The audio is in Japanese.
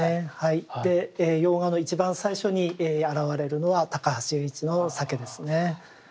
洋画の一番最初に現れるのは高橋由一の「鮭」ですね。